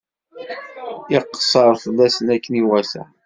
Iqeṣṣer fell-asen akken iwata.